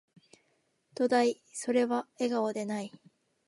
どだい、それは、笑顔でない